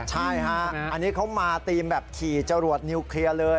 ใช่ฮะอันนี้เขามาทีมแบบขี่จรวดนิวเคลียร์เลย